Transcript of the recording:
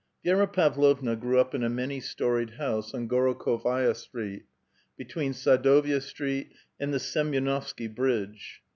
Vi^ra Pavlovna grew up in a many storied house on Goro khovai'a Street, between Sadovi'a Street and the Semy6novsky bridge.